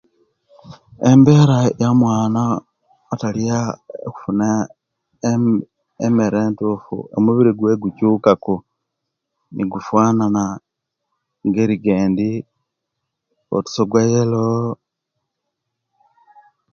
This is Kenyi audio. Embera yomwana atalya okufuna em emere entufu omubiri gwe gukyuka ku nigufanana ngeri gendi otiso gwa yellow